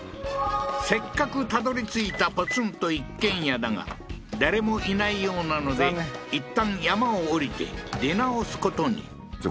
せっかくたどり着いたポツンと一軒家だが誰もいないようなのでいったん山を下りて出直すことにじゃあ